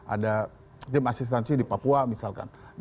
ada tim asistensi di papua misalkan